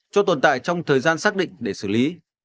cho tồn tại trong thời gian xác định để xử lý